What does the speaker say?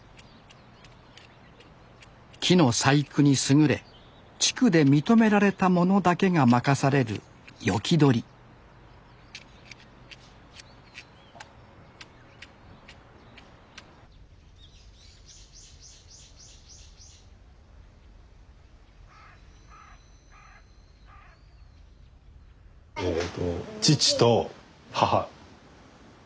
木の細工に優れ地区で認められた者だけが任される斧取りえと父と母。